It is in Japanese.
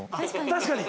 確かに。